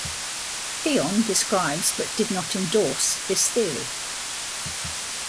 Theon describes but did not endorse this theory.